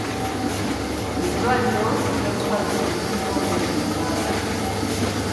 Ly'eddwaliro ly'olukale erisinga obunene mu Uganda